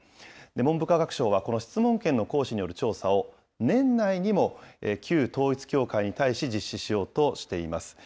文部科学省はこの質問権の行使による調査を年内にも旧統一教会に対し実施しようとしています。